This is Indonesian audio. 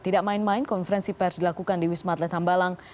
tidak main main konferensi pers dilakukan di wismat letambalang